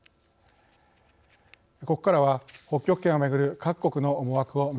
ここからは北極圏をめぐる各国の思惑を見ていきます。